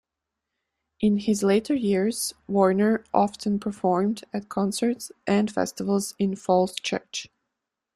In his later years, Warner often performed at concerts and festivals in Falls Church.